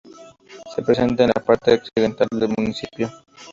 Se presenta en la parte occidental del municipio.